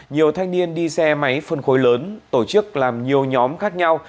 nhiều thanh niên đi xe máy phân khối lớn tổ chức làm nhiều nhóm khác nhau